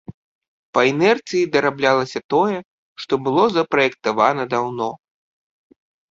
Па інерцыі дараблялася тое, што было запраектавана даўно.